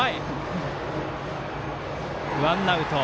ワンアウト。